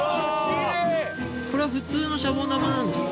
これは普通のシャボン玉なんですか？